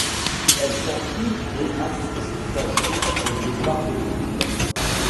Elle s'enfuit et assiste cachée au départ de l'étudiant.